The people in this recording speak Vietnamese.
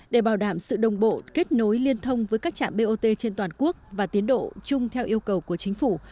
để bảo đảm sự đồng bộ kết nối liên thông với các trạm bot trên toàn quốc và tiến độ chung theo yêu cầu của chính phủ